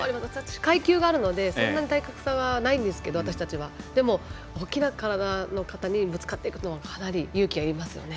階級があるのでそんなに体格差はないですがでも、大きな体の方にぶつかっていくのはかなり勇気がいりますね。